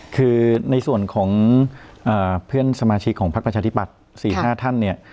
คือในส่วนของเพื่อนสมาชิกของพักประชาธิบัติ๔๕ท่านเนี่ย